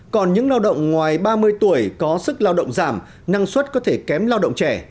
còn những lao động ngoài ba mươi tuổi có sức lao động giảm năng suất có thể kém lao động trẻ